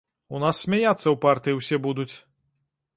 У нас смяяцца ў партыі ўсе будуць!